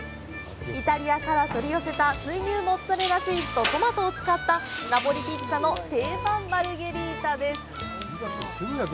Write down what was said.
イタリアから取り寄せた水牛モッツァレラチーズとトマトを使ったナポリピザの定番・マルゲリータです